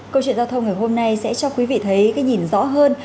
câu chuyện giao thông ngày hôm nay sẽ cho quý vị thấy cái nhìn rõ hơn